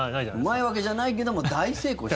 うまいわけじゃないけども大成功してる。